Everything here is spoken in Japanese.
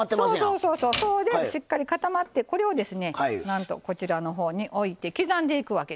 そうそうそうそうでしっかり固まってこれをですねなんとこちらの方に置いて刻んでいくわけですよ。